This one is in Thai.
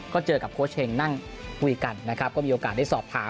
ก็เจอกับโค้ชเชงนั่งคุยกันนะครับก็มีโอกาสได้สอบถาม